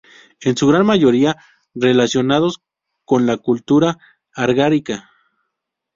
En su gran mayoría relacionados con la cultura argárica.